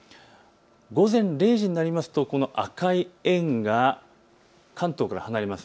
午前０時になりますと、この赤い円が関東から離れます。